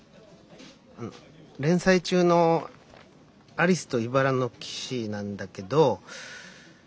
連載中の「アリスといばらの騎士」なんだけど。